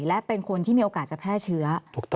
และเป็นคนที่มีโอกาสจะแพร่เชื้อ